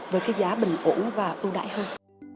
với giá bình ổn và ưu đại hơn